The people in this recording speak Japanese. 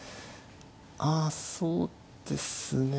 あそうですねえ。